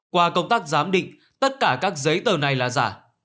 qua công tác giám định tất cả các giấy tờ này là giả